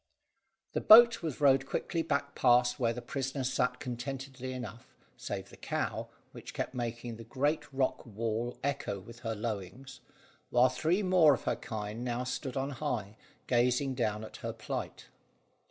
The boat was rowed quickly back past where the prisoners sat contentedly enough; save the cow, which kept making the great rock wall echo with her lowings, while three more of her kind now stood on high, gazing down at her plight.